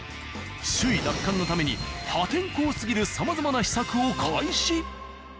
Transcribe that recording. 首位奪還のために破天荒すぎるさまざまな秘策を開始。